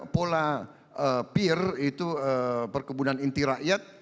pola peer itu perkebunan inti rakyat